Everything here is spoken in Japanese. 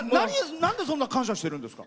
なんでそんな感謝してるんですか？